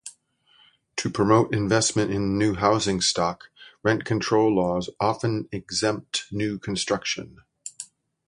To promote investment in new housing stock, rent control laws often exempt new construction.